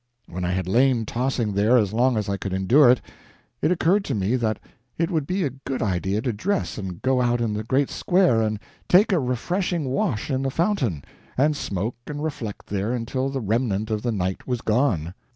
When I had lain tossing there as long as I could endure it, it occurred to me that it would be a good idea to dress and go out in the great square and take a refreshing wash in the fountain, and smoke and reflect there until the remnant of the night was gone.